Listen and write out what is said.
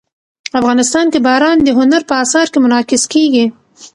افغانستان کې باران د هنر په اثار کې منعکس کېږي.